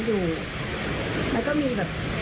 คือมาทำภาษา